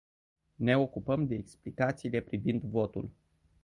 Ne ocupăm de explicațiile privind votul.